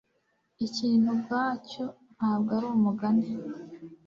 ikintu ubwacyo ntabwo ari umugani